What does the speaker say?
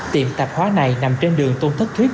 tiệm tạp hóa này nằm trên đường tôn thất thuyết